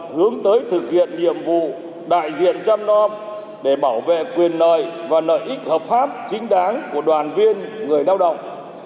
hướng tới thực hiện nhiệm vụ đại diện trăm non để bảo vệ quyền nợi và nợ ích hợp pháp chính đáng của đoàn viên người lao động